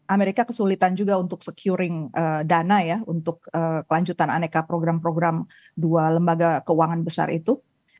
amerika kesulitan juga untuk securing dana ya untuk kelanjutan aneka program program dua lembaga keuangan besar itu